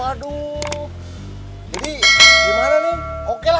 saya langsung berangkat ya sekarang ya